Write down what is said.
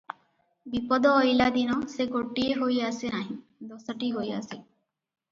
ବିପଦ ଅଇଲା ଦିନ ସେ ଗୋଟିଏ ହୋଇ ଆସେ ନାହିଁ- ଦଶଟି ହୋଇ ଆସେ ।